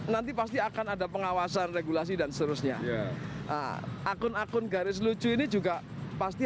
dua ribu dua puluh empat nanti pasti akan ada pengawasan regulasi dan seterusnya akun akun garis lucu ini juga pasti